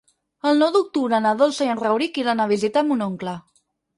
El nou d'octubre na Dolça i en Rauric iran a visitar mon oncle.